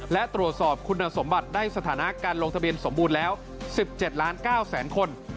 และตรวจสอบคุณสมบัติได้สถานะการลงทะเบียนสมบูรณ์แล้ว๑๗ล้าน๙แสนคน